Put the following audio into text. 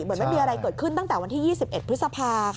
เหมือนไม่มีอะไรเกิดขึ้นตั้งแต่วันที่๒๑พฤษภาค่ะ